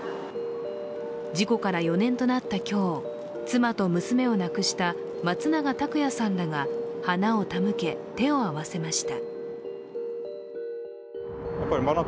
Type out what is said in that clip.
事故から４年となった今日妻と娘を亡くした松永拓也さんらが花を手向け、手を合わせました。